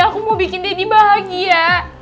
aku mau bikin denny bahagia